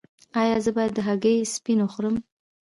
ایا زه باید د هګۍ سپین وخورم؟